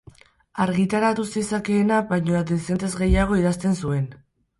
Argitaratu zezakeena baino dezentez gehiago idazten zuen.